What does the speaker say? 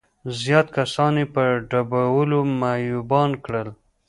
زيات کسان يې په ډبولو معيوبان کړل.